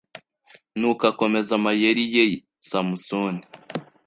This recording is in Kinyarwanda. nuko akomeza amayeri ye `Samusoni